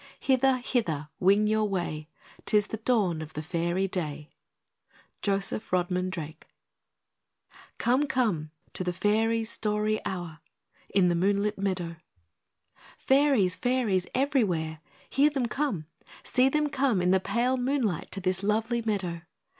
Hither, hither, wing your way! 'Tis the dawn of the Fairy day_." JOSEPH RODMAN DRAKE COME! COME! TO THE FAIRIES' STORY HOUR! IN THE MOONLIT MEADOW Fairies! Fairies everywhere! Hear them come! See them come in the pale moonlight to this lovely meadow!